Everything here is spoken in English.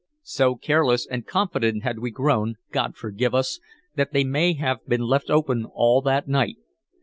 So careless and confident had we grown God forgive us! that they may have been left open all that night.